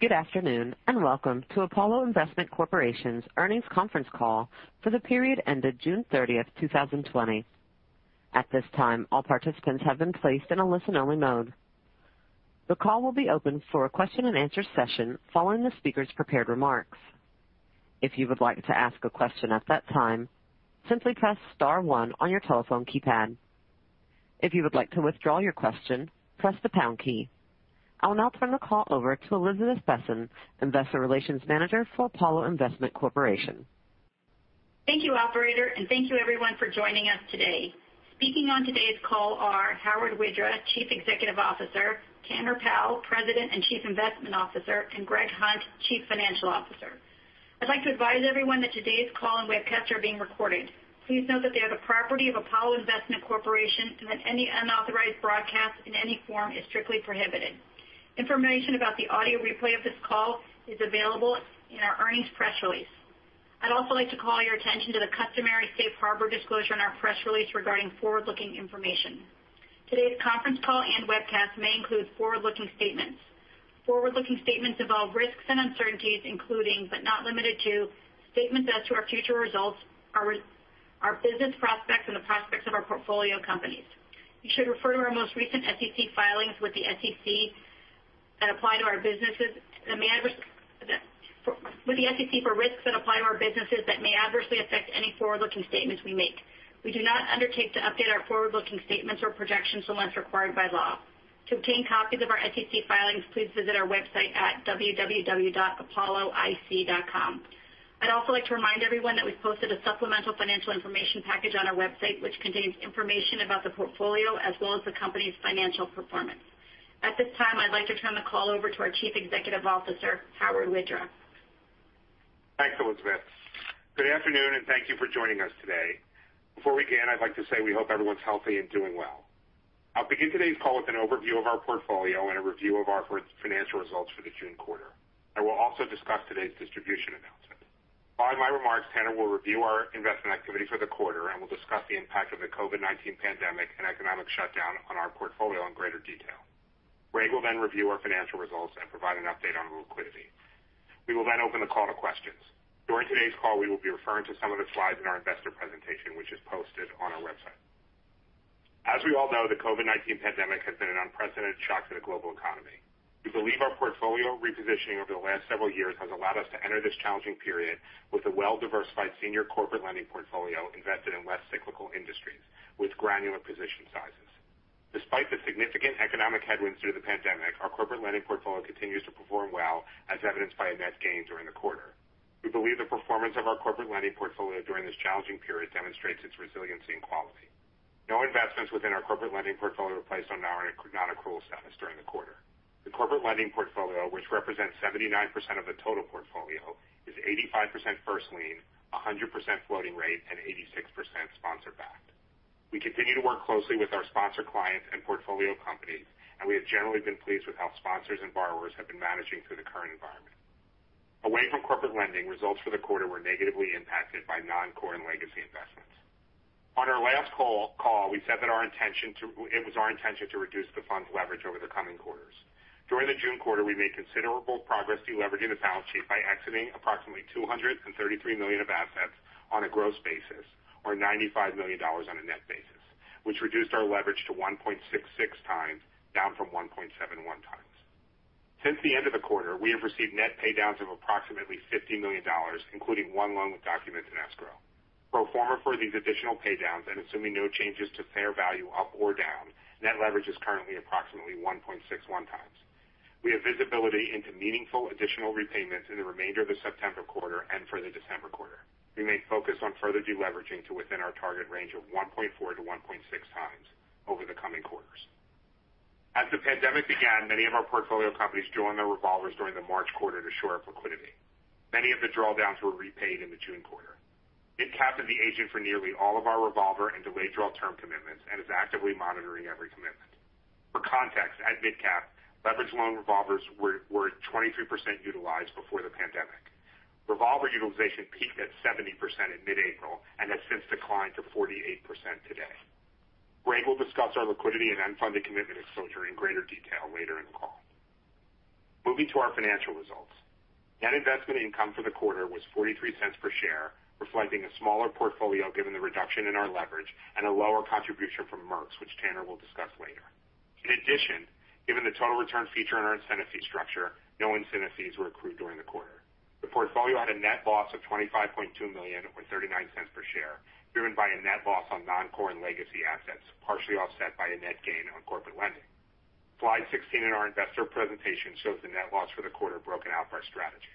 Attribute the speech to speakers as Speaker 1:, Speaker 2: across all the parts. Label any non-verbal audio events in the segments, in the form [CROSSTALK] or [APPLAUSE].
Speaker 1: Good afternoon, and welcome to Apollo Investment Corporation's Earnings Conference Call for the period ended June 30, 2020. At this time, all participants have been placed in a listen-only mode. The call will be open for a question-and-answer session following the speakers' prepared remarks. If you would like to ask a question at that time, press star one on your telephone keypad. If you would like to withdraw your question, press the pound key. I will now turn the call over to Elizabeth Besen, Investor Relations Manager for Apollo Investment Corporation.
Speaker 2: Thank you, operator, and thank you, everyone, for joining us today. Speaking on today's call are Howard Widra, Chief Executive Officer, Tanner Powell, President and Chief Investment Officer, and Greg Hunt, Chief Financial Officer. I'd like to advise everyone that today's call and webcast are being recorded. Please note that they are the property of Apollo Investment Corporation and that any unauthorized broadcast in any form is strictly prohibited. Information about the audio replay of this call is available in our earnings press release. I'd also like to call your attention to the customary safe harbor disclosure in our press release regarding forward-looking information. Today's conference call and webcast may include forward-looking statements. Forward-looking statements involve risks and uncertainties, including, but not limited to, statements as to our future results, our business prospects, and the prospects of our portfolio companies. You should refer to our most recent SEC [INAUDIBLE] filings for risks that apply to our businesses that may adversely affect any forward-looking statements we make. We do not undertake to update our forward-looking statements or projections unless required by law. To obtain copies of our SEC filings, please visit our website at www.apolloic.com. I'd also like to remind everyone that we've posted a supplemental financial information package on our website, which contains information about the portfolio as well as the company's financial performance. At this time, I'd like to turn the call over to our Chief Executive Officer, Howard Widra.
Speaker 3: Thanks, Elizabeth. Good afternoon, and thank you for joining us today. Before we begin, I'd like to say we hope everyone's healthy and doing well. I'll begin today's call with an overview of our portfolio and a review of our financial results for the June quarter. I will also discuss today's distribution announcement. Following my remarks, Tanner will review our investment activity for the quarter and will discuss the impact of the COVID-19 pandemic and economic shutdown on our portfolio in greater detail. Greg will then review our financial results and provide an update on liquidity. We will then open the call to questions. During today's call, we will be referring to some of the slides in our investor presentation, which is posted on our website. As we all know, the COVID-19 pandemic has been an unprecedented shock to the global economy. We believe our portfolio repositioning over the last several years has allowed us to enter this challenging period with a well-diversified senior corporate lending portfolio invested in less cyclical industries, with granular position sizes. Despite the significant economic headwinds through the pandemic, our corporate lending portfolio continues to perform well, as evidenced by a net gain during the quarter. We believe the performance of our corporate lending portfolio during this challenging period demonstrates its resiliency and quality. No investments within our corporate lending portfolio were placed on non-accrual status during the quarter. The corporate lending portfolio, which represents 79% of the total portfolio, is 85% first lien, 100% floating rate, and 86% sponsor-backed. We continue to work closely with our sponsor clients and portfolio companies, and we have generally been pleased with how sponsors and borrowers have been managing through the current environment. Away from corporate lending, results for the quarter were negatively impacted by non-core and legacy investments. On our last call, we said that it was our intention to reduce the fund's leverage over the coming quarters. During the June quarter, we made considerable progress deleveraging the balance sheet by exiting approximately $233 million of assets on a gross basis, or $95 million on a net basis, which reduced our leverage to 1.66x, down from 1.71x. Since the end of the quarter, we have received net paydowns of approximately $50 million, including one loan with documents in escrow. Pro forma for these additional paydowns and assuming no changes to fair value up or down, net leverage is currently approximately 1.61x. We have visibility into meaningful additional repayments in the remainder of the September quarter and for the December quarter. We remain focused on further deleveraging to within our target range of 1.4x-1.6x over the coming quarters. As the pandemic began, many of our portfolio companies drew on their revolvers during the March quarter to shore up liquidity. Many of the drawdowns were repaid in the June quarter. MidCap is the agent for nearly all of our revolver and delayed draw term commitments and is actively monitoring every commitment. For context, at MidCap, leverage loan revolvers were 23% utilized before the pandemic. Revolver utilization peaked at 70% in mid-April and has since declined to 48% today. Greg will discuss our liquidity and unfunded commitment exposure in greater detail later in the call. Moving to our financial results. Net investment income for the quarter was $0.43 per share, reflecting a smaller portfolio given the reduction in our leverage and a lower contribution from Merx, which Tanner will discuss later. Given the total return feature in our incentive fee structure, no incentive fees were accrued during the quarter. The portfolio had a net loss of $25.2 million, or $0.39 per share, driven by a net loss on non-core and legacy assets, partially offset by a net gain on corporate lending. Slide 16 in our investor presentation shows the net loss for the quarter broken out by strategy.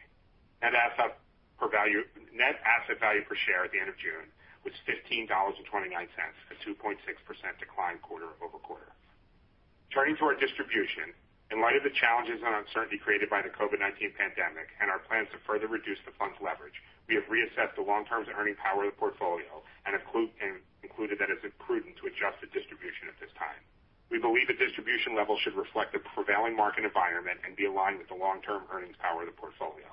Speaker 3: Net asset value per share at the end of June was $15.29, a 2.6% decline quarter-over-quarter. Turning to our distribution. In light of the challenges and uncertainty created by the COVID-19 pandemic and our plans to further reduce the fund's leverage, we have reassessed the long-term earning power of the portfolio and concluded that it's prudent to adjust the distribution at this time. We believe the distribution level should reflect the prevailing market environment and be aligned with the long-term earnings power of the portfolio.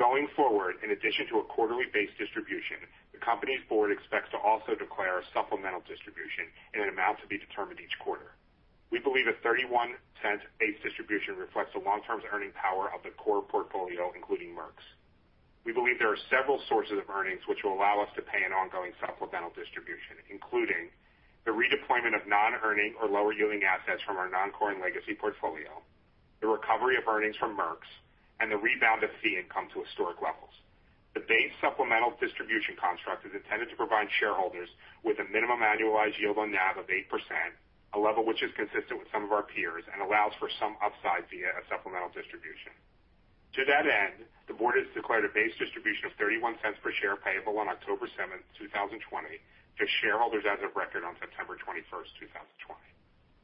Speaker 3: Going forward, in addition to a quarterly-based distribution, the company's board expects also to declare a supplemental distribution in an amount to be determined each quarter. We believe a $0.31 based distribution reflects the long-term earning power of the core portfolio, including Merx. We believe there are several sources of earnings that will allow us to pay an ongoing supplemental distribution, including the redeployment of non-earning or lower-yielding assets from our non-core and legacy portfolio, the recovery of earnings from Merx, and the rebound of fee income to historic levels. The base supplemental distribution construct is intended to provide shareholders with a minimum annualized yield on NAV of 8%, a level that is consistent with some of our peers and allows for some upside via a supplemental distribution. To that end, the board has declared a base distribution of $0.31 per share payable on October 7, 2020, to shareholders as of record on September 2, 2020.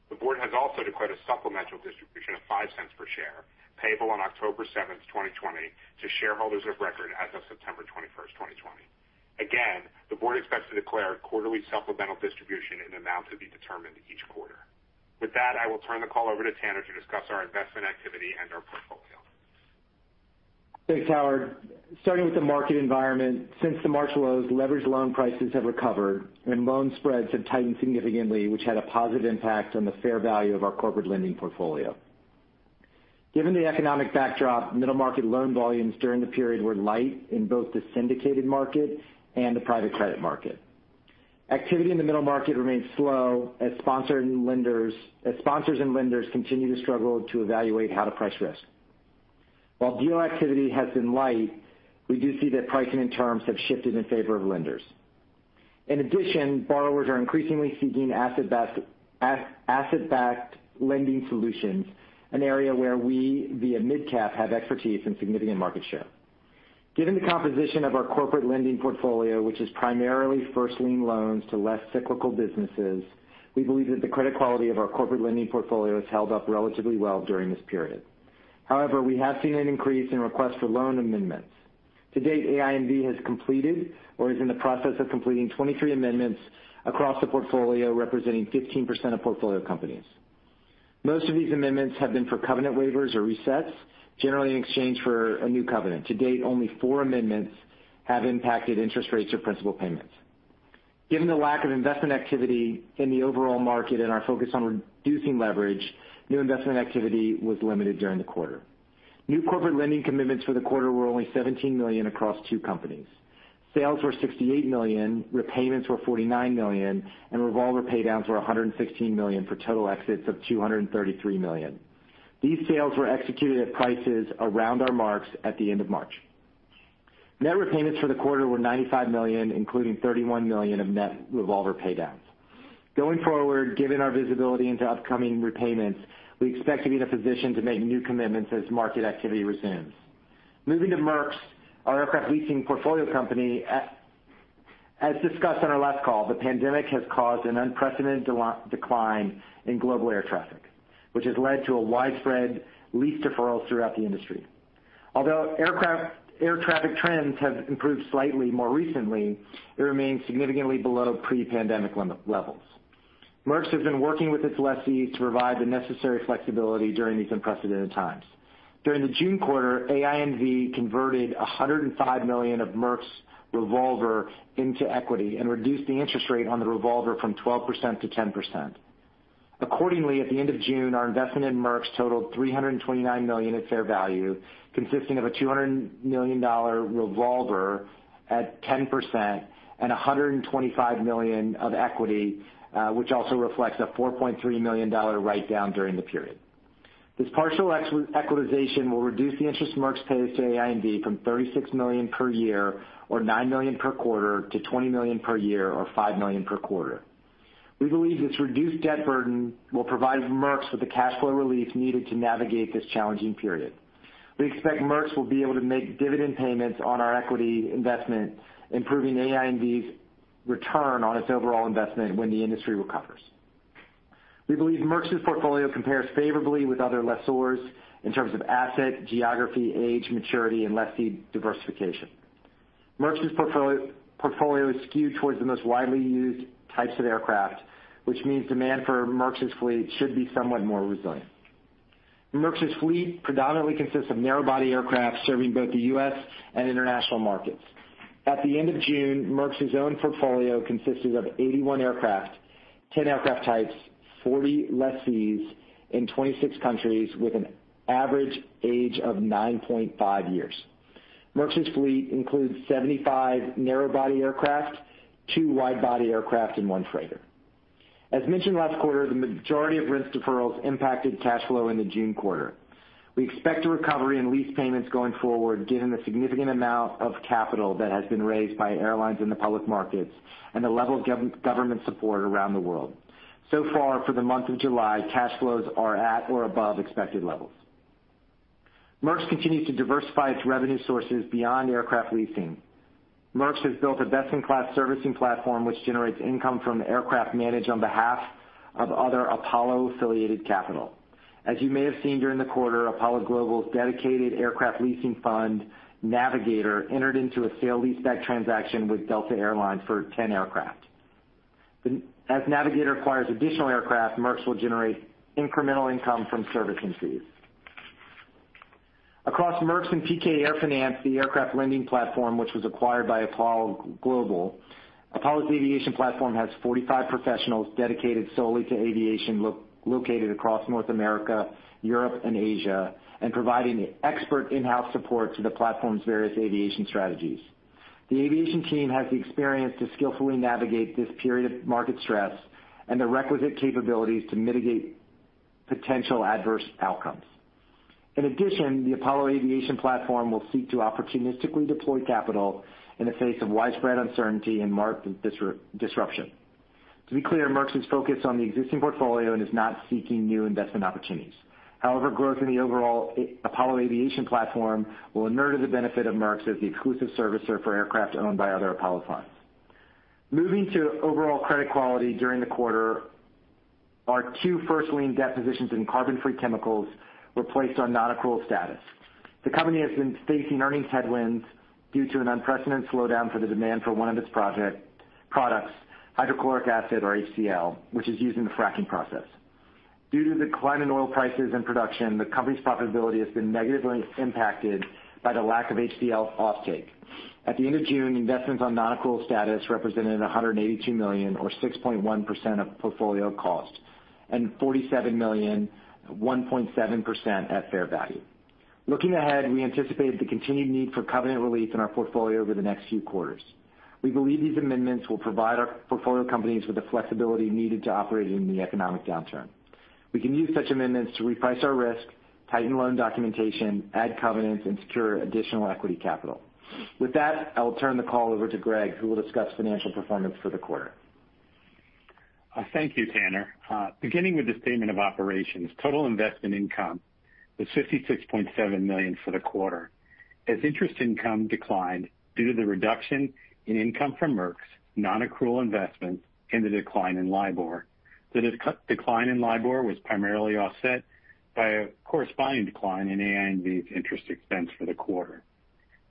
Speaker 3: The board has also declared a supplemental distribution of $0.05 per share payable on October 7, 2020, to shareholders of record as of September 21, 2020. Again, the board expects to declare a quarterly supplemental distribution in an amount to be determined each quarter. With that, I will turn the call over to Tanner to discuss our investment activity and our portfolio.
Speaker 4: Thanks, Howard. Starting with the market environment. Since the March lows, leverage loan prices have recovered, and loan spreads have tightened significantly, which had a positive impact on the fair value of our corporate lending portfolio. Given the economic backdrop, middle market loan volumes during the period were light in both the syndicated market and the private credit market. Activity in the middle market remains slow as sponsors and lenders continue to struggle to evaluate how to price risk. While deal activity has been light, we do see that pricing and terms have shifted in favor of lenders. In addition, borrowers are increasingly seeking asset-backed lending solutions, an area where we, via MidCap, have expertise and significant market share. Given the composition of our corporate lending portfolio, which is primarily first lien loans to less cyclical businesses, we believe that the credit quality of our corporate lending portfolio has held up relatively well during this period. However, we have seen an increase in requests for loan amendments. To date, AINV has completed or is in the process of completing 23 amendments across the portfolio, representing 15% of portfolio companies. Most of these amendments have been for covenant waivers or resets, generally in exchange for a new covenant. To date, only four amendments have impacted interest rates or principal payments. Given the lack of investment activity in the overall market and our focus on reducing leverage, new investment activity was limited during the quarter. New corporate lending commitments for the quarter were only $17 million across two companies. Sales were $68 million, repayments were $49 million, and revolver paydowns were $116 million for total exits of $233 million. These sales were executed at prices around our marks at the end of March. Net repayments for the quarter were $95 million, including $31 million of net revolver paydowns. Going forward, given our visibility into upcoming repayments, we expect to be in a position to make new commitments as market activity resumes. Moving to Merx, our aircraft leasing portfolio company. As discussed on our last call, the pandemic has caused an unprecedented decline in global air traffic, which has led to a widespread lease deferral throughout the industry. Although air traffic trends have improved slightly more recently, it remains significantly below pre-pandemic levels. Merx has been working with its lessees to provide the necessary flexibility during these unprecedented times. During the June quarter, AINV converted $105 million of Merx revolver into equity and reduced the interest rate on the revolver from 12%-10%. Accordingly, at the end of June, our investment in Merx totaled $329 million at fair value, consisting of a $200 million revolver at 10% and $125 million of equity, which also reflects a $4.3 million write-down during the period. This partial equitization will reduce the interest Merx pays to AINV from $36 million per year, or $9 million per quarter, to $20 million per year, or $5 million per quarter. We believe this reduced debt burden will provide Merx with the cash flow relief needed to navigate this challenging period. We expect Merx will be able to make dividend payments on our equity investment, improving AINV's return on its overall investment when the industry recovers. We believe Merx's portfolio compares favorably with other lessors in terms of asset, geography, age, maturity, and lessee diversification. Merx's portfolio is skewed towards the most widely used types of aircraft, which means demand for Merx's fleet should be somewhat more resilient. Merx's fleet predominantly consists of narrow-body aircraft serving both the U.S. and international markets. At the end of June, Merx's own portfolio consisted of 81 aircraft, 10 aircraft types, and 40 lessees in 26 countries with an average age of 9.5 years. Merx's fleet includes 75 narrow-body aircraft, two wide-body aircraft, and one freighter. As mentioned last quarter, the majority of rent deferrals impacted cash flow in the June quarter. We expect a recovery in lease payments going forward, given the significant amount of capital that has been raised by airlines in the public markets and the level of government support around the world. For the month of July, cash flows are at or above expected levels. Merx continues to diversify its revenue sources beyond aircraft leasing. Merx has built a best-in-class servicing platform that generates income from aircraft managed on behalf of other Apollo-affiliated capital. You may have seen during the quarter, Apollo Global's dedicated aircraft leasing fund Navigator entered into a sale-leaseback transaction with Delta Air Lines for 10 aircraft. Navigator acquires additional aircraft, and Merx will generate incremental income from servicing fees. Across Merx and PK Air Finance, the aircraft lending platform, which was acquired by Apollo Global, Apollo's aviation platform has 45 professionals dedicated solely to aviation located across North America, Europe, and Asia, providing expert in-house support to the platform's various aviation strategies. The aviation team has the experience to skillfully navigate this period of market stress and the requisite capabilities to mitigate potential adverse outcomes. In addition, the Apollo aviation platform will seek to opportunistically deploy capital in the face of widespread uncertainty and market disruption. To be clear, Merx is focused on the existing portfolio and is not seeking new investment opportunities. However, growth in the overall Apollo aviation platform will inure to the benefit of Merx as the exclusive servicer for aircraft owned by other Apollo funds. Moving to overall credit quality during the quarter, our two first lien debt positions in Carbonfree Chemicals were placed on non-accrual status. The company has been facing earnings headwinds due to an unprecedented slowdown in the demand for one of its products, hydrochloric acid, or HCL, which is used in the fracking process. Due to the decline in oil prices and production, the company's profitability has been negatively impacted by the lack of HCL offtake. At the end of June, investments in non-accrual status represented $182 million, or 6.1%, of portfolio cost, and $47 million, or 1.7%, at fair value. Looking ahead, we anticipate the continued need for covenant relief in our portfolio over the next few quarters. We believe these amendments will provide our portfolio companies with the flexibility needed to operate in the economic downturn. We can use such amendments to reprice our risk, tighten loan documentation, add covenants, and secure additional equity capital. With that, I will turn the call over to Greg, who will discuss financial performance for the quarter.
Speaker 5: Thank you, Tanner. Beginning with the statement of operations. Total investment income was $56.7 million for the quarter as interest income declined due to the reduction in income from Merx non-accrual investments and the decline in LIBOR. The decline in LIBOR was primarily offset by a corresponding decline in AINV's interest expense for the quarter.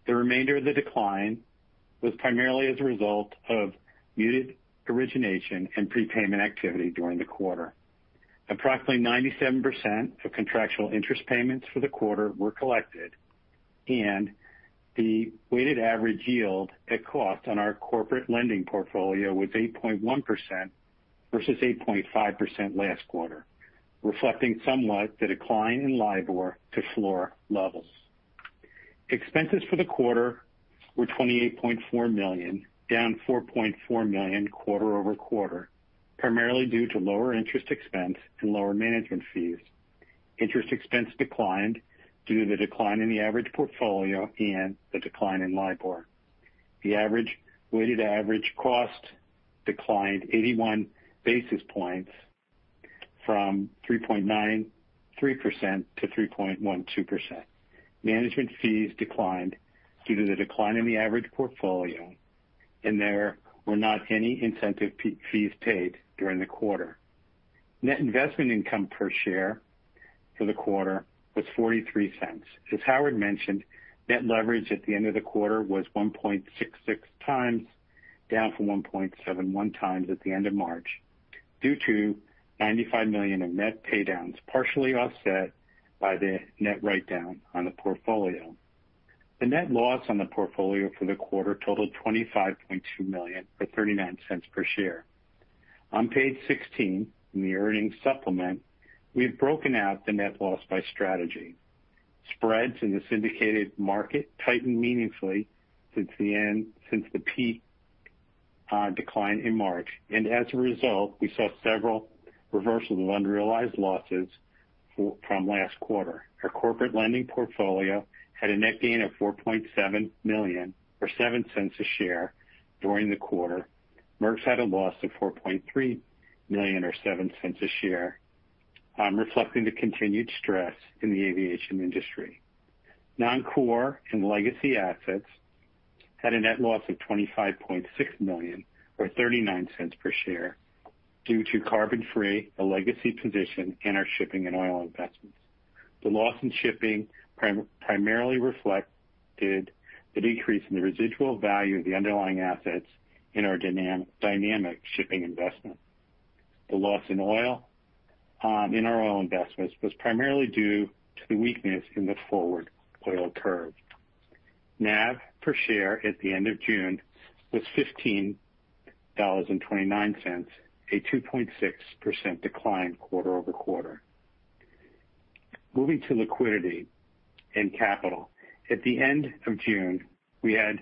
Speaker 5: The remainder of the decline was primarily as a result of muted origination and prepayment activity during the quarter. Approximately 97% of contractual interest payments for the quarter were collected, and the weighted average yield at cost on our corporate lending portfolio was 8.1% versus 8.5% last quarter, reflecting somewhat the decline in LIBOR to floor levels. Expenses for the quarter were $28.4 million, down $4.4 million quarter-over-quarter, primarily due to lower interest expense and lower management fees. Interest expense declined due to the decline in the average portfolio and the decline in LIBOR. The average weighted average cost declined 81 basis points from 3.93%-3.12%. Management fees declined due to the decline in the average portfolio, and there were not any incentive fees paid during the quarter. Net investment income per share for the quarter was $0.43. As Howard mentioned, net leverage at the end of the quarter was 1.66x, down from 1.71x at the end of March, due to $95 million in net paydowns, partially offset by the net write-down on the portfolio. The net loss on the portfolio for the quarter totaled $25.2 million, or $0.39 per share. On page 16 in the earnings supplement, we've broken out the net loss by strategy. Spreads in the syndicated market tightened meaningfully since the peak decline in March. As a result, we saw several reversals of unrealized losses from last quarter. Our corporate lending portfolio had a net gain of $4.7 million or $0.07 a share during the quarter. Merx had a loss of $4.3 million or $0.07 a share, reflecting the continued stress in the aviation industry. Non-core and legacy assets had a net loss of $25.6 million, or $0.39 per share, due to Carbonfree, a legacy position in our shipping and oil investments. The loss in shipping primarily reflected the decrease in the residual value of the underlying assets in our Dynamic shipping investment. The loss in our oil investments was primarily due to the weakness in the forward oil curve. NAV per share at the end of June was $15.29, a 2.6% decline quarter-over-quarter. Moving to liquidity and capital. At the end of June, we had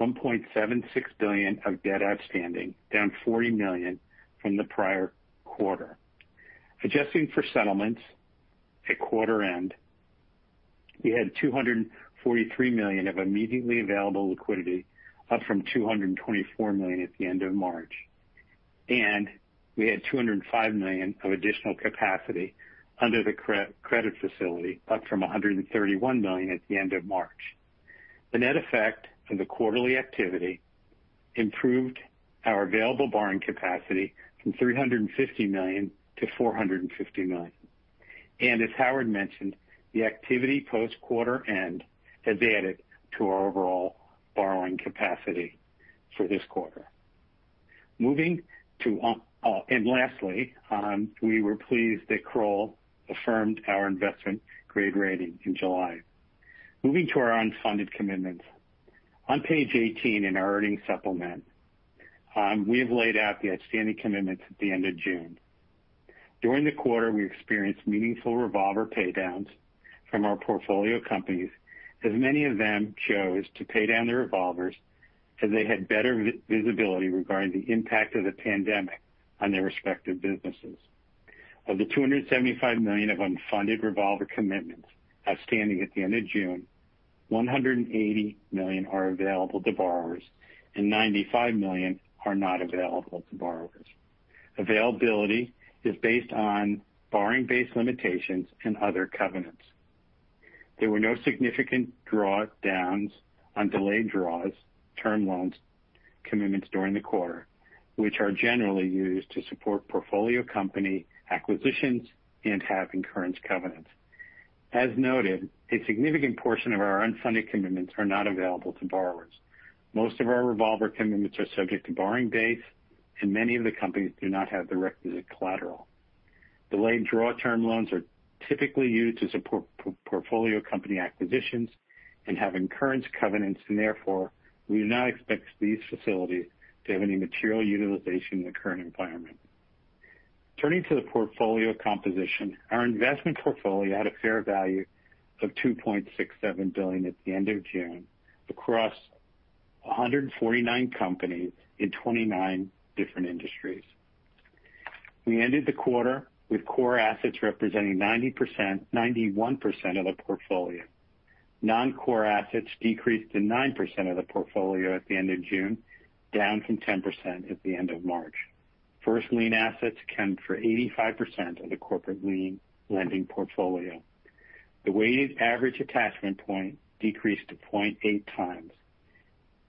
Speaker 5: $1.76 billion of debt outstanding, down $40 million from the prior quarter. Adjusting for settlements at quarter end, we had $243 million of immediately available liquidity, up from $224 million at the end of March. We had $205 million of additional capacity under the credit facility, up from $131 million at the end of March. The net effect of the quarterly activity improved our available borrowing capacity by $350 million-$450 million. As Howard mentioned, the activity post-quarter end has added to our overall borrowing capacity for this quarter. Lastly, we were pleased that Kroll affirmed our investment grade rating in July. Moving to our unfunded commitments. On page 18 in our earnings supplement, we have laid out the outstanding commitments at the end of June. During the quarter, we experienced meaningful revolver paydowns from our portfolio companies, as many of them chose to pay down their revolvers as they had better visibility regarding the impact of the pandemic on their respective businesses. Of the $275 million of unfunded revolver commitments outstanding at the end of June, $180 million are available to borrowers and $95 million are not available to borrowers. Availability is based on borrowing base limitations and other covenants. There were no significant drawdowns on delayed-draw term loan commitments during the quarter, which are generally used to support portfolio company acquisitions and have incurrence covenants. As noted, a significant portion of our unfunded commitments are not available to borrowers. Most of our revolver commitments are subject to the borrowing base, and many of the companies do not have the requisite collateral. Delayed draw term loans are typically used to support portfolio company acquisitions and have incurrence covenants, and therefore, we do not expect these facilities to have any material utilization in the current environment. Turning to the portfolio composition. Our investment portfolio had a fair value of $2.67 billion at the end of June across 149 companies in 29 different industries. We ended the quarter with core assets representing 91% of the portfolio. Non-core assets decreased to 9% of the portfolio at the end of June, down from 10% at the end of March. First lien assets account for 85% of the corporate lien lending portfolio. The weighted average attachment point decreased to 0.8 times.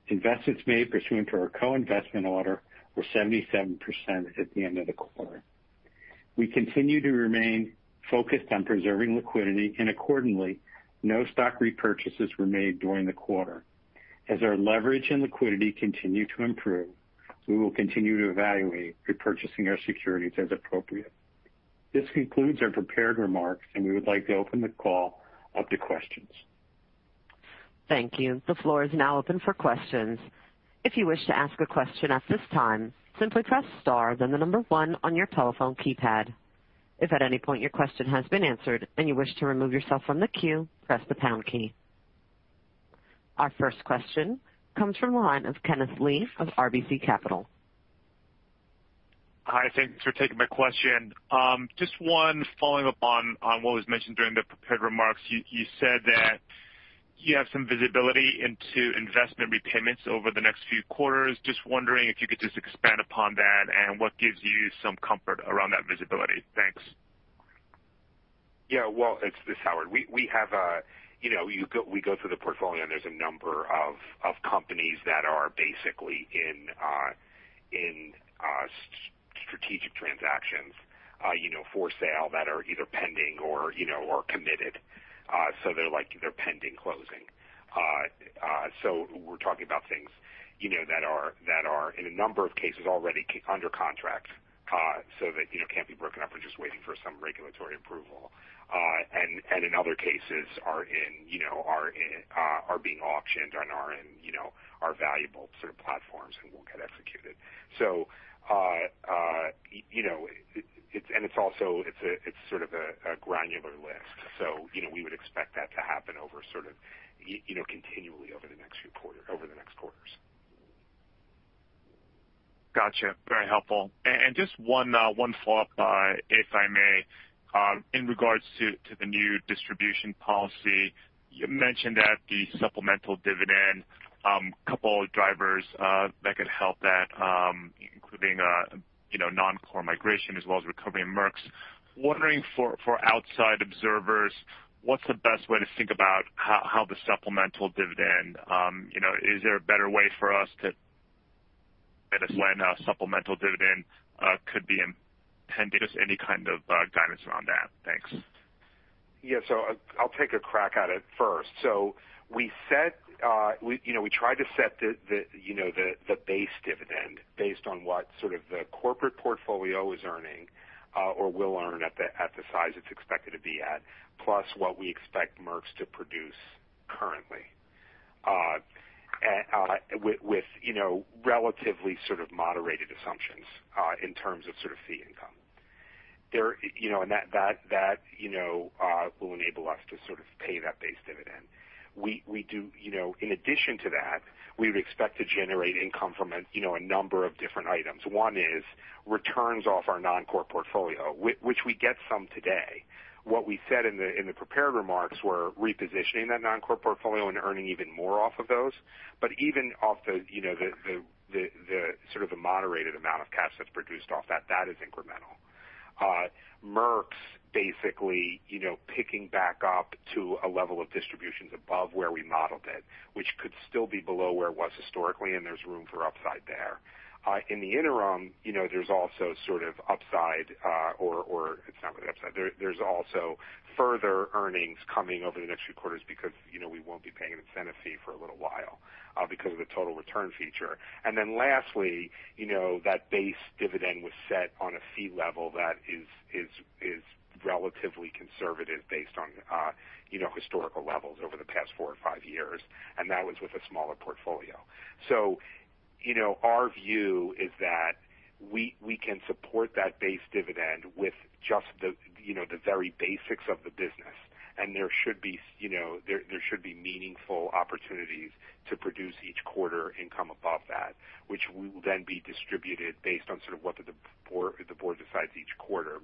Speaker 5: Investments made pursuant to our co-investment order were 77% at the end of the quarter. We continue to remain focused on preserving liquidity, and accordingly, no stock repurchases were made during the quarter. As our leverage and liquidity continue to improve, we will continue to evaluate repurchasing our securities as appropriate. This concludes our prepared remarks, and we would like to open the call up to questions.
Speaker 1: Thank you. The floor is now open for questions. If you wish to ask a question at this time, simply press star, then number one on your telephone keypad. If at any point your question has been answered and you wish to remove yourself from the queue, press the pound key. Our first question comes from the line of Kenneth Lee of RBC Capital.
Speaker 6: Hi, thanks for taking my question. Just one following up on what was mentioned during the prepared remarks. You said that you have some visibility into investment repayments over the next few quarters. Just wondering if you could just expand upon that and what gives you some comfort around that visibility? Thanks.
Speaker 3: Yeah. Well, it's Howard. We go through the portfolio, there's a number of companies that are basically in strategic transactions for sale that are either pending or committed. They're pending closing. We're talking about things that are, in a number of cases, already under contract, so they can't be broken up. We're just waiting for some regulatory approval. In other cases, are being auctioned and are valuable sort of platforms and will get executed. It's sort of a granular list. We would expect that to happen continually over the next quarters.
Speaker 6: Got you. Very helpful. Just one follow-up, if I may, in regard to the new distribution policy. You mentioned that the supplemental dividend, a couple of drivers that could help that, including non-core migration as well as recovery in Merx. Wondering for outside observers, wondering about the best way to think about how the supplemental dividend works, is there a better way for us to know when a supplemental dividend could be intended? Just any kind of guidance around that. Thanks.
Speaker 3: I'll take a crack at it first. We try to set the base dividend based on what sort of corporate portfolio is earning or will earn at the size it's expected to be at, plus what we expect Merx to produce currently with relatively sort of moderated assumptions in terms of sort of fee income. That will enable us to sort of pay that base dividend. In addition to that, we would expect to generate income from a number of different items. One is returns from our non-core portfolio, which we get some of today. What we said in the prepared remarks was repositioning that non-core portfolio and earning even more off of those. Even off the sort, the moderated amount of cash that's produced off that is incremental. Merx's basically picking back up to a level of distributions above where we modeled it, which could still be below where it was historically. There's room for upside there. In the interim, there's also sort of an upside, or it's not really an upside. There's also further earnings coming over the next few quarters because we won't be paying an incentive fee for a little while because of the total return feature. Lastly, that base dividend was set on a fee level that is relatively conservative based on historical levels over the past four or five years. That was with a smaller portfolio. Our view is that we can support that base dividend with just the very basics of the business. There should be meaningful opportunities to produce each quarter income above that, which will then be distributed based on sort of what the board decides each quarter.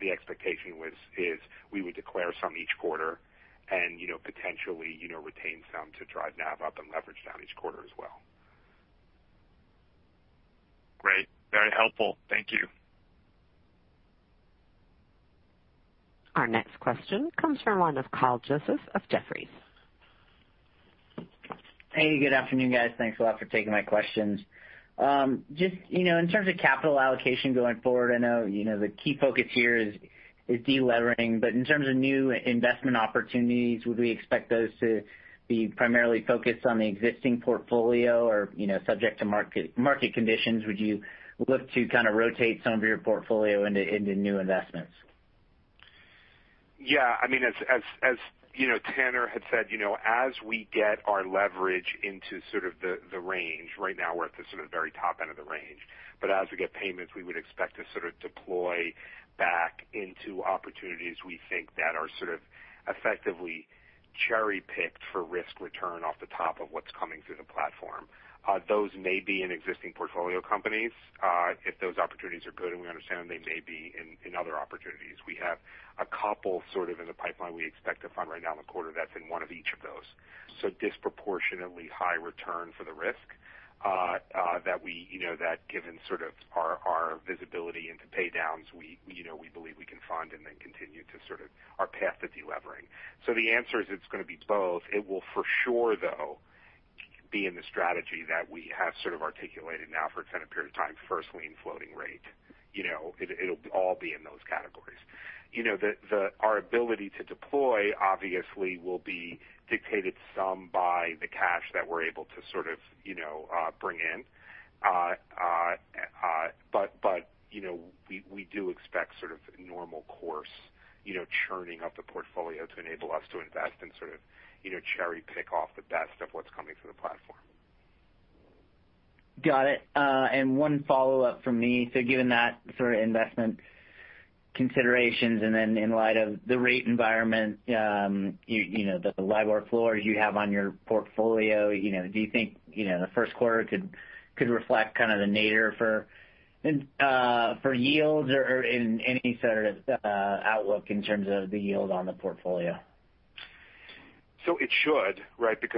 Speaker 3: The expectation is we would declare some each quarter and potentially retain some to drive NAV up and leverage down each quarter as well.
Speaker 6: Great. Very helpful. Thank you.
Speaker 1: Our next question comes from the line of Kyle Joseph of Jefferies.
Speaker 7: Hey, good afternoon, guys. Thanks a lot for taking my questions. In terms of capital allocation going forward, I know the key focus here is de-levering, but in terms of new investment opportunities, would we expect those to be primarily focused on the existing portfolio or subject to market conditions? Would you look to kind of rotate some of your portfolio into new investments?
Speaker 3: Yeah. As Tanner had said, we get our leverage into sort of the range. Right now we're at the sort of very top end of the range. As we get payments, we would expect to sort of deploy back into opportunities we think that are sort of effectively cherry-picked for risk return off the top of what's coming through the platform. Those may be in existing portfolio companies. If those opportunities are good, and we understand they may be, there are other opportunities. We have a couple sort of in the pipeline we expect to fund right now in the quarter; that's one of each of those. Disproportionately high return for the risk that is given sort of our visibility into pay downs, we believe we can fund and then continue to sort of our path to de-levering. The answer is it's going to be both. It will for sure, though, be in the strategy that we have sort of articulated now for a period of time, a first lien floating rate. It'll all be in those categories. Our ability to deploy obviously will be dictated some by the cash that we're able to sort of bring in. We do expect a sort of normal course of churning up the portfolio to enable us to invest and sort of cherry-pick the best of what's coming through the platform.
Speaker 7: Got it. One follow-up from me. Given those sorts of investment considerations in light of the rate environment and the LIBOR floors you have on your portfolio, do you think the first quarter could reflect kind of the nadir for yields or any sort of outlook in terms of the yield on the portfolio?
Speaker 3: It should, right? LIBOR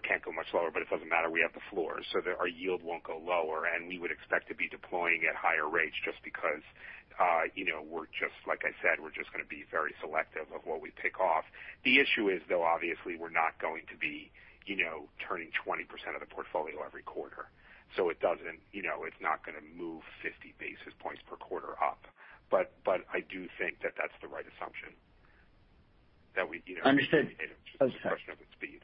Speaker 3: can't go much lower, but it doesn't matter. We have the floor so that our yield won't go lower. We would expect to be deploying at higher rates just because, like I said, we're just going to be very selective of what we pick off. The issue is, though, obviously we're not going to be turning 20% of the portfolio every quarter. It's not going to move 50 basis points per quarter up. I do think that that's the right assumption that we—
Speaker 7: Understood.
Speaker 3: ...It's just a question of its speed.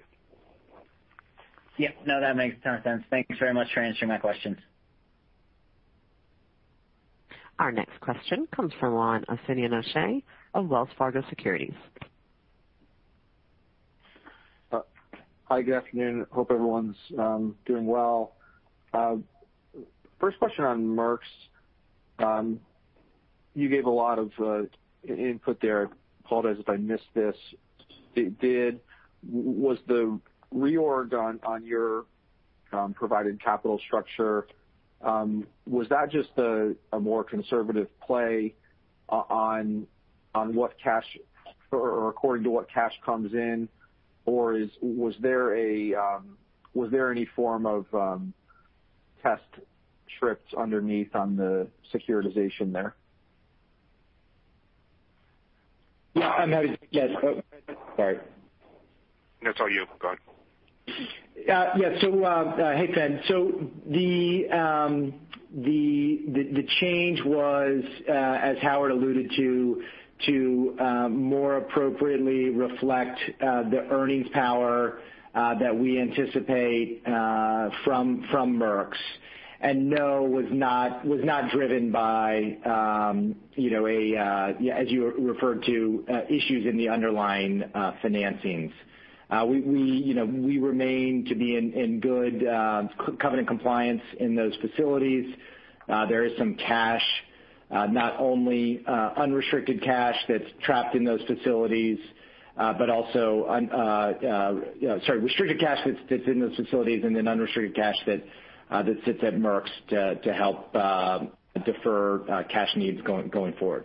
Speaker 7: Yeah, that makes a ton of sense. Thank you very much for answering my questions.
Speaker 1: Our next question comes from the line of Finian O'Shea of Wells Fargo Securities.
Speaker 8: Hi, good afternoon. Hope everyone's doing well. First question on Merx. You gave a lot of input there. Apologize if I missed this. Was the reorg on your provided capital structure just a more conservative play according to what cash comes in, or was there any form of test trips underneath on the securitization there?
Speaker 3: Yeah.
Speaker 4: Yes. Sorry.
Speaker 3: No, it's all you. Go ahead.
Speaker 4: Yeah. Hey, Finian. The change was as Howard alluded to more appropriately reflect the earnings power that we anticipate from Merx. No, was not driven by as you referred to issues in the underlying financings. We remain in good covenant compliance in those facilities. There is some cash—not only unrestricted cash that's trapped in those facilities but also restricted cash that's in those facilities and then unrestricted cash that sits at Merx to help defer cash needs going forward.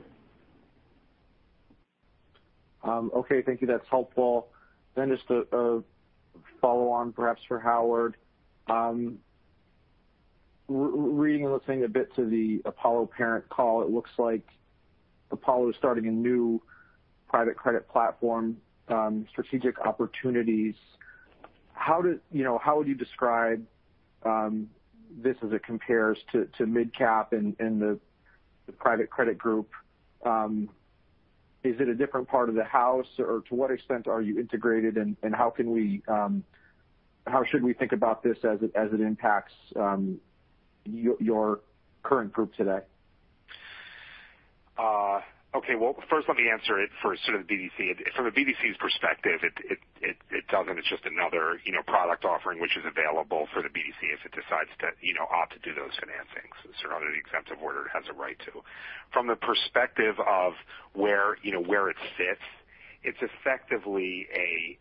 Speaker 8: Okay. Thank you. That's helpful. Just a follow-on, perhaps for Howard. Reading and listening a bit to the Apollo parent call, it looks like Apollo is starting a new private credit platform, Strategic Opportunities. How would you describe this as it compares to MidCap and the Apollo Private Credit Group? Is it a different part of the house, or to what extent are you integrated, and how should we think about this as it impacts your current group today?
Speaker 3: Okay. Well, first let me answer it for the BDC. From the BDC's perspective, it's just another product offering that is available for the BDC if it decides to opt to do those financings. It's under the exemptive order it has a right to. From the perspective of where it sits, it's effectively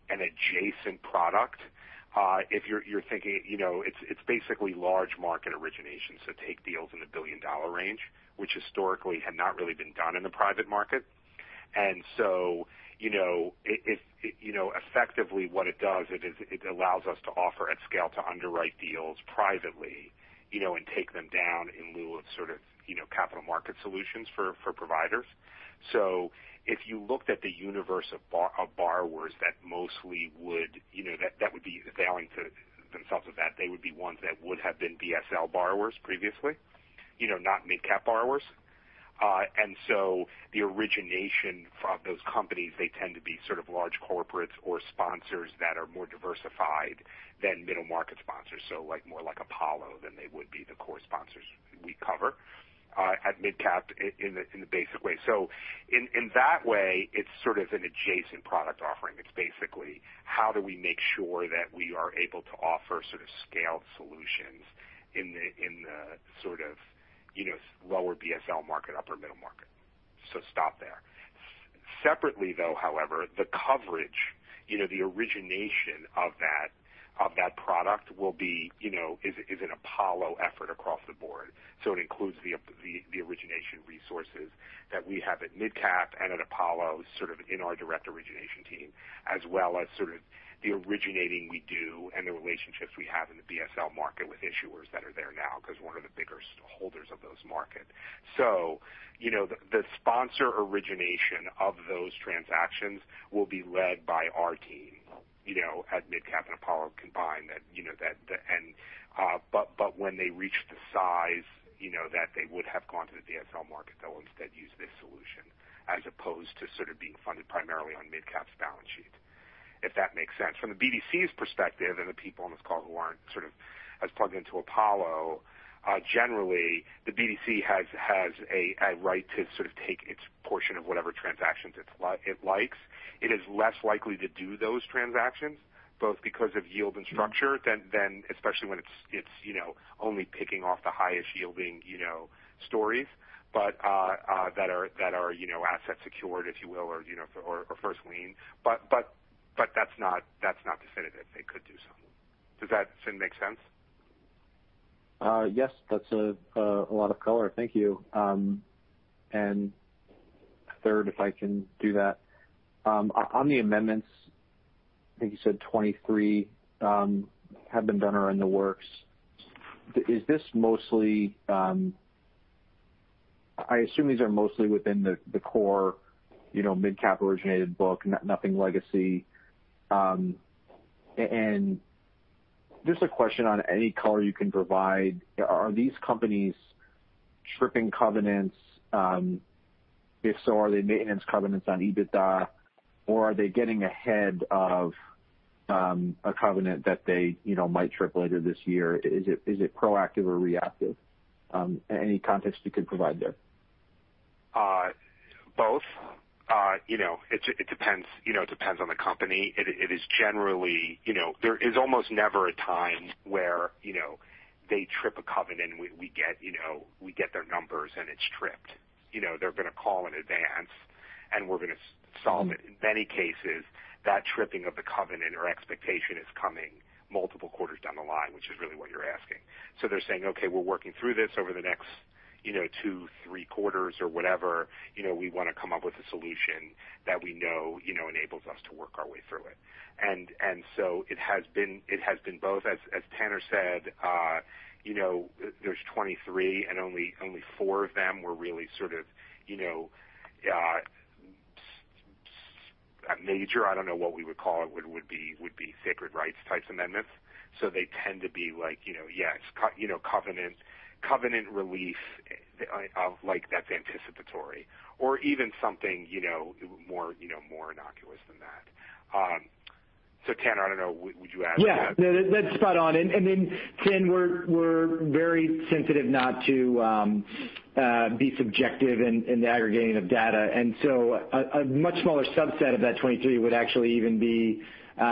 Speaker 3: an adjacent product. If you're thinking, it's basically large market originations that take deals in the $1 billion range, which historically have not really been done in the private market. Effectively what it does is allow us to offer at scale to underwrite deals privately and take them down in lieu of capital market solutions for providers. If you looked at the universe of borrowers that would mostly be availing themselves of that, they would be ones that would have been BSL borrowers previously. Not MidCap borrowers. The origination of those companies tends to be large corporates or sponsors that are more diversified than middle-market sponsors. More like Apollo than they would be the core sponsors we cover at MidCap in the basic way. In that way, it's an adjacent product offering. It's basically, how do we make sure that we are able to offer scaled solutions in the lower BSL market and upper-middle market? Stop there. Separately, though, the coverage, the origination of that product, is an Apollo effort across the board. It includes the origination resources that we have at MidCap and at Apollo in our direct origination team, as well as the origination we do and the relationships we have in the BSL market with issuers that are there now, because we're one of the bigger holders of those markets. The sponsor origination of those transactions will be led by our team at MidCap and Apollo combined. When they reach the size that they would have gone to the BSL market, they'll instead use this solution as opposed to being funded primarily on MidCap's balance sheet. If that makes sense. From the BDC's perspective and the people on this call who aren't as plugged into Apollo, generally, the BDC has a right to take its portion of whatever transactions it likes. It is less likely to do those transactions, both because of yield and structure, especially when it's only picking off the highest-yielding stories. That are asset-secured, if you will, or first lien. That's not definitive. They could do so. Does that make sense?
Speaker 8: Yes. That's a lot of color. Thank you. Third, if I can do that. On the amendments, I think you said 23 have been done or are in the works. I assume these are mostly within the core MidCap-originated book, nothing legacy. Just a question on any color you can provide. Are these companies violating covenants? If so, are they maintenance covenants on EBITDA, or are they getting ahead of a covenant that they might trip later this year? Is it proactive or reactive? Any context you could provide there.
Speaker 3: Both. It depends on the company. There is almost never a time when they trip a covenant and we get their numbers and it's tripped. They're going to call in advance, and we're going to solve it. In many cases, that tripping of the covenant or expectation is coming multiple quarters down the line, which is really what you're asking. They're saying, Okay, we're working through this over the next two or three quarters or whatever. We want to come up with a solution that we know enables us to work our way through it. It has been both. As Tanner said, there are 23, and only four of them were really major. I don't know what we would call them, but they would be sacred rights-type amendments. They tend to be like, yes, covenant relief of, like, that's anticipatory or even something more innocuous than that. Tanner, I don't know, would you add to that?
Speaker 4: Yeah. No, that's spot on. Finian, we're very sensitive not to be subjective in the aggregation of data. A much smaller subset of those 23 would actually even be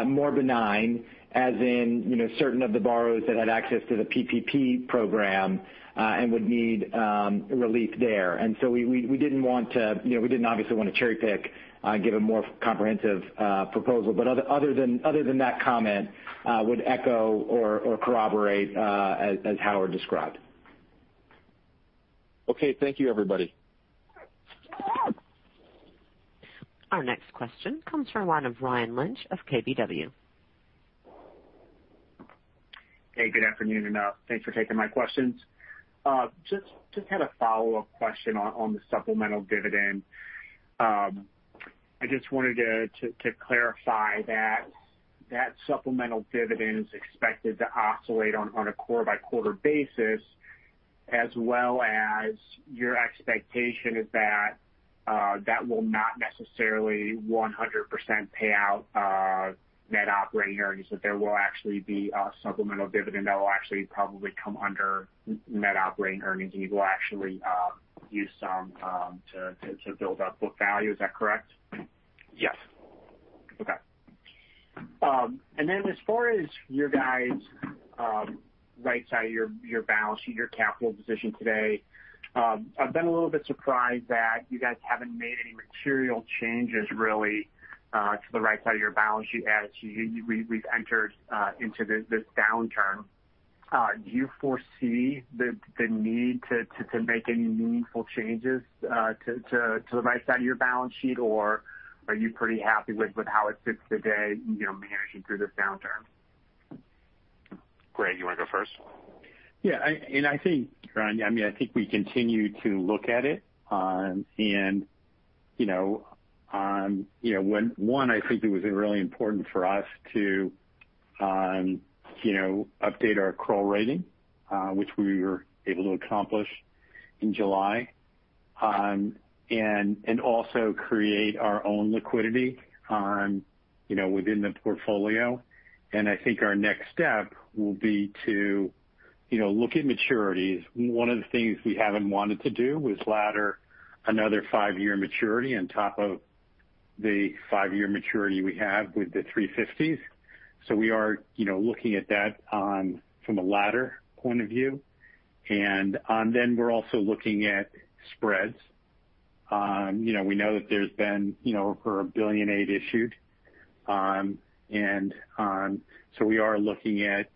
Speaker 4: more benign, as in certain of the borrowers that had access to the PPP program and would need relief there. We didn't obviously want to cherry-pick, give a more comprehensive proposal. Other than that comment, I would echo or corroborate as Howard described.
Speaker 8: Okay. Thank you, everybody.
Speaker 1: Our next question comes from the line of Ryan Lynch of KBW.
Speaker 9: Hey, good afternoon, and thanks for taking my questions. Just had a follow-up question on the supplemental dividend. I just wanted to clarify that a supplemental dividend is expected to oscillate on a quarter-by-quarter basis, as well as your expectation that it will not necessarily be 100% of net operating earnings, that there will actually be a supplemental dividend that will probably come under net operating earnings; and that you will actually use some to build up book value. Is that correct?
Speaker 3: Yes.
Speaker 9: As far as your guys' right side of your balance sheet, your capital position today, I've been a little bit surprised that you guys haven't made any material changes, really, to the right side of your balance sheet as we've entered into this downturn. Do you foresee the need to make any meaningful changes to the right side of your balance sheet, or are you pretty happy with how it sits today, managing through this downturn?
Speaker 3: Greg, you want to go first?
Speaker 5: Yeah. Ryan, I think we continue to look at it. One, I think it was really important for us to update our KBRA rating, which we were able to accomplish in July, and also create our own liquidity within the portfolio. I think our next step will be to look at maturities. One of the things we haven't wanted to do was ladder another five-year maturity on top of the five-year maturity we have with the 350. We are looking at that from a ladder point of view. We're also looking at spreads. We know that there's been over $1 billion in AID issued. We are looking at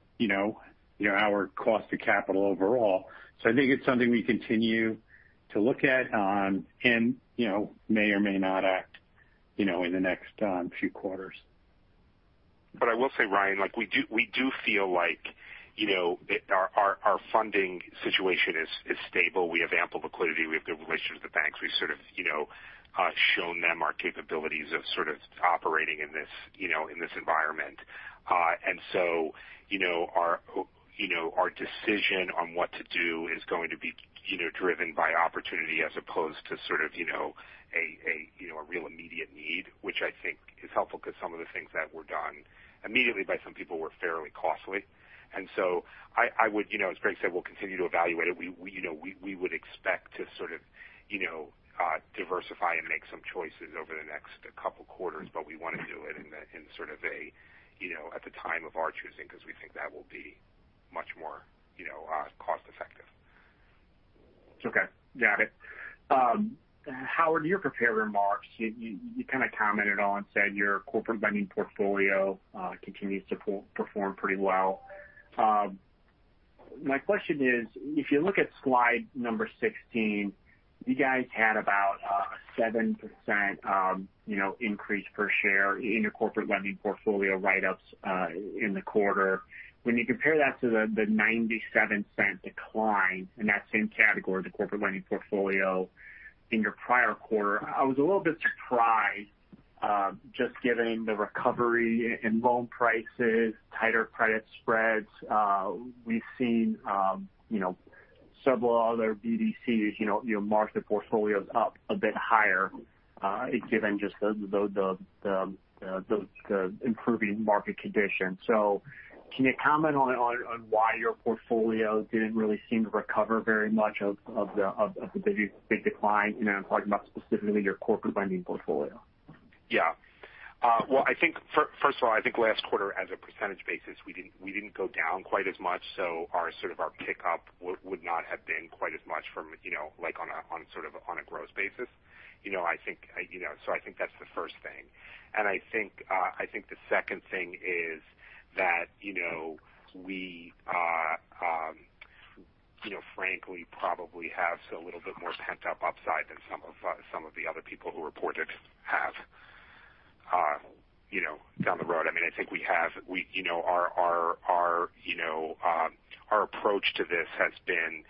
Speaker 5: our cost of capital overall. I think it's something we continue to look at and may or may not act in the next few quarters.
Speaker 3: I will say, Ryan, we do feel like our funding situation is stable. We have ample liquidity. We have good relations with the banks. We've sort of shown them our capabilities of sort of operating in this environment. Our decision on what to do is going to be driven by opportunity as opposed to sort of a real immediate need, which I think is helpful because some of the things that were done immediately by some people were fairly costly. As Greg said, we'll continue to evaluate it. We would expect to sort of diversify and make some choices over the next couple quarters, but we want to do it at the time of our choosing because we think that will be much more cost-effective.
Speaker 9: Okay. Got it. Howard, in your prepared remarks, you kind of commented on and said your corporate lending portfolio continues to perform pretty well. My question is, if you look at slide number 16, you guys had about a 7% increase per share in your corporate lending portfolio write-ups in the quarter. When you compare that to the $0.97 decline in that same category, the corporate lending portfolio in your prior quarter, I was a little bit surprised, just given the recovery in loan prices and tighter credit spreads. We've seen several other BDCs mark their portfolios up a bit higher given just the improving market conditions. Can you comment on why your portfolio didn't really seem to recover very much of the big decline? I'm talking about specifically your corporate lending portfolio.
Speaker 3: Yeah. Well, first of all, I think last quarter, as a percentage basis, we didn't go down quite as much. Our sort of our pickup would not have been quite as much on a gross basis. I think that's the first thing. I think the second thing is that we frankly probably have a little bit more pent-up upside than some of the other people who reported have down the road. Our approach to this has been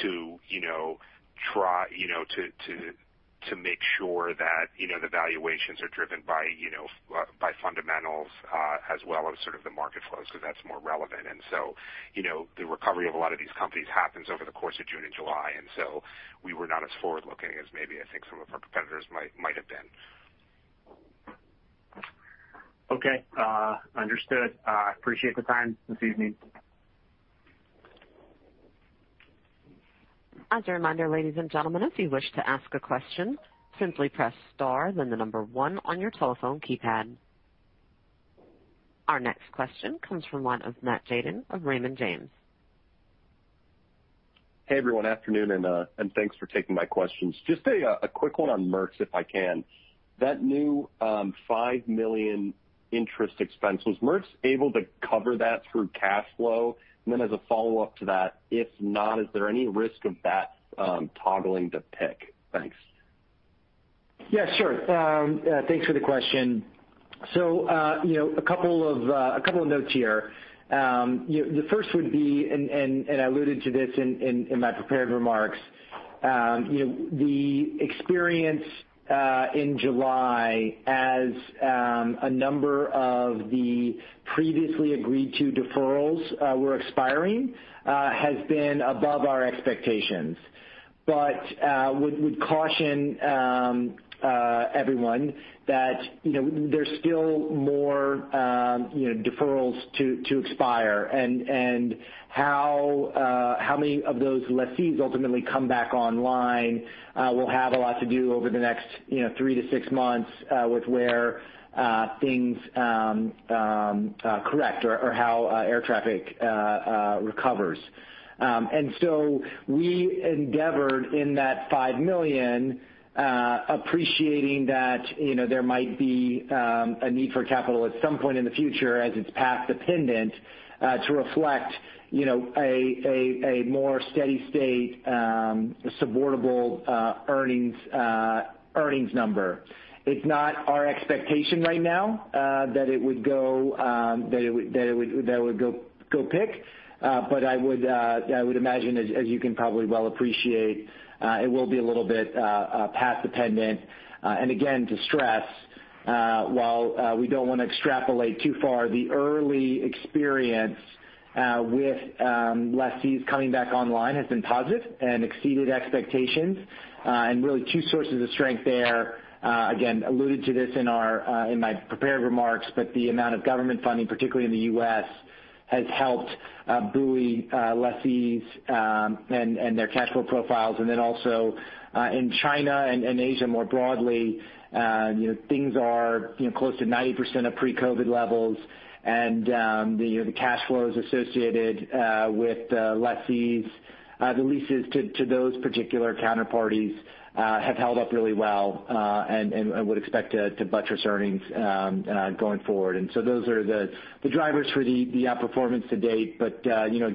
Speaker 3: to make sure that the valuations are driven by fundamentals as well as sort of the market flows because that's more relevant. The recovery of a lot of these companies happens over the course of June and July, and so we were not as forward-looking as maybe I think some of our competitors might have been.
Speaker 9: Okay. Understood. I appreciate the time this evening.
Speaker 1: As a reminder, ladies and gentlemen, if you wish to ask a question, simply press star then the number one on your telephone keypad. Our next question comes from the line of Matt Tjaden of Raymond James.
Speaker 10: Hey, everyone. Afternoon. Thanks for taking my questions. Just a quick one on Merx, if I can. That new $5 million interest expense, was Merx able to cover that through cash flow? As a follow-up to that, if not, is there any risk of that toggling to PIK? Thanks.
Speaker 4: Yeah, sure. Thanks for the question. A couple of notes here. The first would be, and I alluded to this in my prepared remarks, the experience in July as a number of the previously agreed-to deferrals were expiring has been above our expectations. Would caution everyone that there are still more deferrals to expire, and how many of those lessees ultimately come back online will have a lot to do over the next three-six months with where things correct or how air traffic recovers. We endeavored in that $5 million, appreciating that there might be a need for capital at some point in the future as it's path-dependent to reflect a more steady-state, supportable earnings number. It's not our expectation right now that it would go PIK, but I would imagine, as you can probably well appreciate, it will be a little bit path-dependent. Again, to stress, while we don't want to extrapolate too far, the early experience with lessees coming back online has been positive and exceeded expectations. Really two sources of strength there, again, alluded to this in my prepared remarks, but the amount of government funding, particularly in the U.S., has helped buoy lessees and their cash flow profiles. Then also in China and Asia more broadly, things are close to 90% of pre-COVID levels, and the cash flows associated with lessees, the leases to those particular counterparties, have held up really well, and I would expect to buttress earnings going forward. Those are the drivers for the outperformance to date.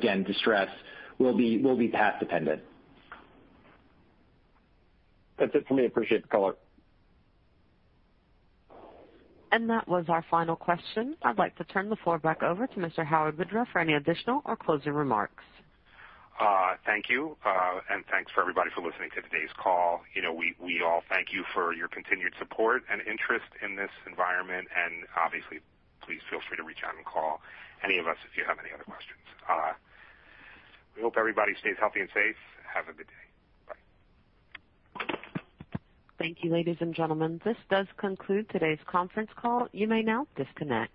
Speaker 4: Again, to stress, it will be path-dependent.
Speaker 10: That's it for me. Appreciate the call.
Speaker 1: That was our final question. I'd like to turn the floor back over to Mr. Howard Widra for any additional or closing remarks.
Speaker 3: Thank you, and thanks to everybody for listening to today's call. We all thank you for your continued support and interest in this environment, and obviously, please feel free to reach out and call any of us if you have any other questions. We hope everybody stays healthy and safe. Have a good day. Bye.
Speaker 1: Thank you, ladies and gentlemen. This does conclude today's conference call. You may now disconnect.